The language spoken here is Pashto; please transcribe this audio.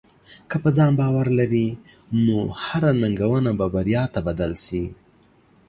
که په ځان باور لرې، نو هره ننګونه به بریا ته بدل شې.